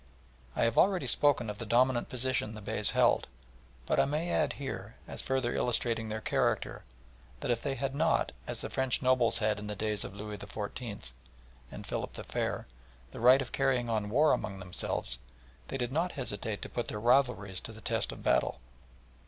I have already spoken of the dominant position the Beys held, but I may add here, as further illustrating their character, that if they had not, as the French nobles had in the days of Louis IX. and Philip the Fair, the right of carrying on war among themselves, they did not hesitate to put their rivalries to the test of battle.